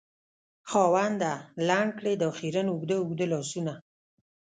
خاونده! لنډ کړې دا خیرن اوږده اوږده لاسونه